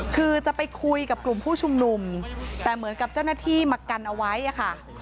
คือจะไปคุยกับกลุ่มผู้ชุมนุมแต่เหมือนกับเจ้าหน้าที่มากันเอาไว้ค่ะ